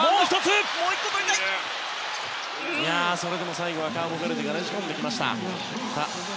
最後はカーボベルデがねじ込んできました。